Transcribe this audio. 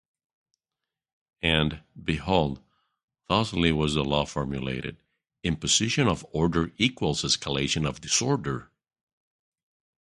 And, behold, thusly was the Law formulated: Imposition of Order equals escalation of Disorder!